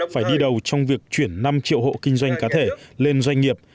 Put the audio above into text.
phải đi đầu trong việc chuyển năm triệu hộ kinh doanh cá thể lên doanh nghiệp